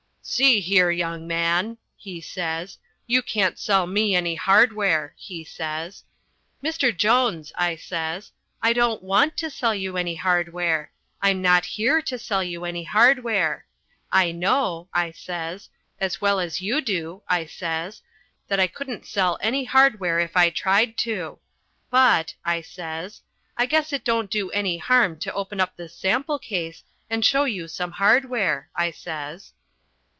"See here, young man," he says, "you can't sell me any hardware," he says. "Mr. Jones," I says, "I don't want to sell you any hardware. I'm not here to sell you any hardware. I know," I says, "as well as you do," I says, "that I couldn't sell any hardware if I tried to. But," I says, "I guess it don't do any harm to open up this sample case, and show you some hardware," I says.